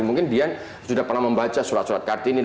mungkin dian sudah pernah membaca surat surat kartini